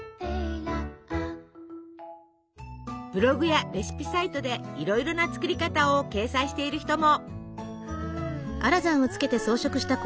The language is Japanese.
ブログやレシピサイトでいろいろな作り方を掲載している人も！